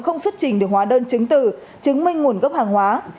không xuất trình được hóa đơn chứng tử chứng minh nguồn gốc hàng hóa